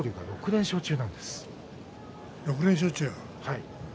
６連勝中。